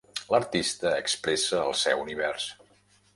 L'artista expressa el seu univers.